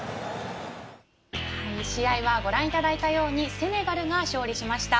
試合はご覧いただいたようにセネガルが勝利しました。